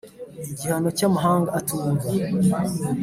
Igihano cy’amahanga atumva